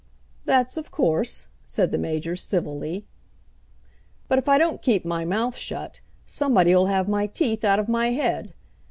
"That's of course," said the Major civilly. "But if I don't keep my mouth shut, somebody 'll have my teeth out of my head.